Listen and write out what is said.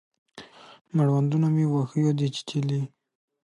مړوندونه مې وښیو دی چیچلي